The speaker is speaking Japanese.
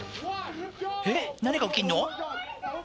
えっ何が起きるの？